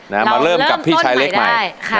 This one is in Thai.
เราเริ่มกับผู้ชายเล็กใหม่